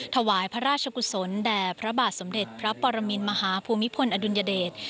ถวายพระราชกุศลแด่พระบาทสมเด็จพระปรมินมหาภูมิพลอดุลยเดช